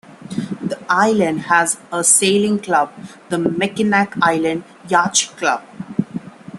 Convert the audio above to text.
The island has a sailing club, the Mackinac Island Yacht Club.